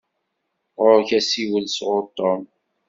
Ɣuṛ-k asiwel sɣuṛ Tom.